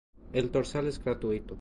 El dorsal es gratuito.